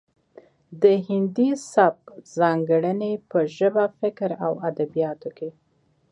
د هندي سبک ځانګړنې په ژبه فکر او ادبیاتو کې دي